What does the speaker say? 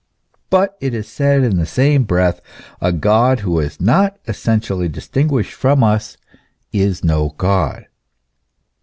But, it is said in the same breath, a God who is not essentially distinguished from us is no God.